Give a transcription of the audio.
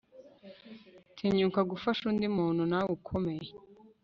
tinyuka gufasha undi muntu nawe ukomeye